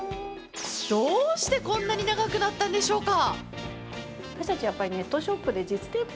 どうしてこんなに長くなったんでしょうか？